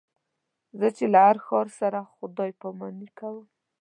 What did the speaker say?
زه چې له هر ښار سره خدای پاماني کوم.